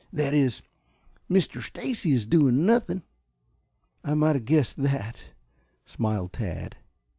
"That is, Mr. Stacy is doing nothing." "I might have guessed that," smiled Tad.